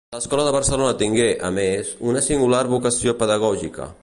L'Escola de Barcelona tingué, a més, una singular vocació pedagògica.